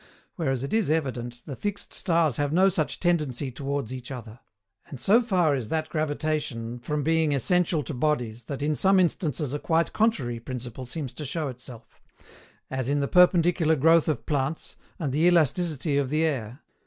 Whereas it is evident the fixed stars have no such tendency towards each other; and, so far is that gravitation from being essential to bodies that in some instances a quite contrary principle seems to show itself; as in the perpendicular growth of plants, and the elasticity of the air.